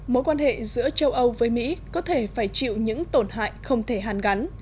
mối quan hệ giữa châu âu với mỹ có thể phải chịu những tổn hại không thể hàn gắn